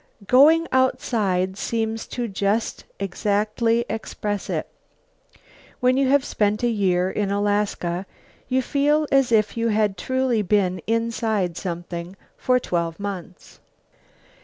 Going outside seems to just exactly express it. When you have spent a year in Alaska you feel as if you had truly been inside something for twelve months.